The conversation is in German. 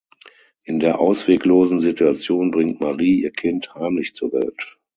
In der ausweglosen Situation bringt Marie ihr Kind heimlich zur Welt.